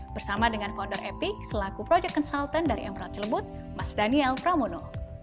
bersama dengan founder epic selaku proyek konsultan dari emerald celebut mas daniel pramono